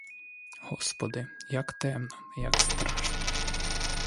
Господи, — як темно, — як страшно!